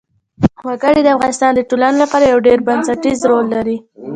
وګړي د افغانستان د ټولنې لپاره یو ډېر بنسټيز رول لري.